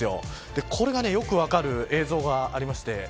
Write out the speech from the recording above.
これがよく分かる映像がありまして。